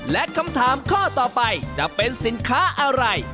และคำถามข้อต่อไปจะเป็นสินค้าอะไร